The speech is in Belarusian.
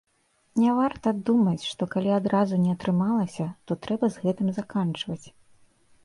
Не варта думаць, што калі адразу не атрымалася, то трэба з гэтым заканчваць.